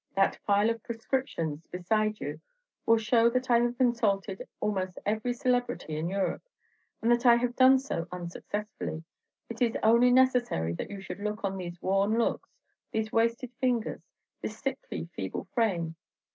That file of prescriptions beside you will show that I have consulted almost every celebrity in Europe; and that I have done so unsuccessfully, it is only necessary that you should look on these worn looks these wasted fingers this sickly, feeble frame.